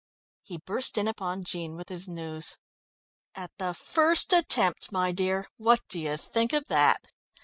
He burst in upon Jean with his news. "At the first attempt, my dear, what do you think of that?"